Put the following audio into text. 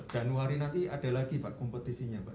januari nanti ada lagi pak kompetisinya pak